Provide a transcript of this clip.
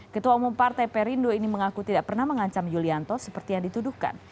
ketua umum partai perindo ini mengaku tidak pernah mengancam yulianto seperti yang dituduhkan